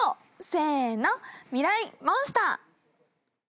せーのミライ☆モンスター。